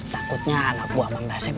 takutnya anak buah mang dasar